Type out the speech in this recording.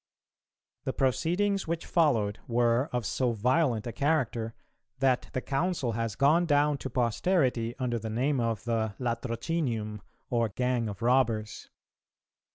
The proceedings which followed were of so violent a character, that the Council has gone down to posterity under the name of the Latrocinium or "Gang of Robbers."